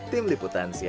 tim liputan cnn indonesia